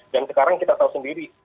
dan sekarang kita tau sendiri